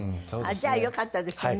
じゃあよかったですね。